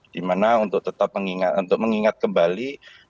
dimana untuk tetap mengingat untuk mengingat kembali